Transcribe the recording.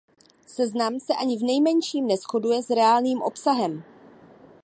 Seznam se ani v nejmenším neshoduje s reálným obsahem.